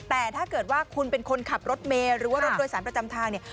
แต่ถ้าเกิดว่าคุณเป็นคนขับรถเมย์หรือว่ารถโดยสารประจำทางเนี่ย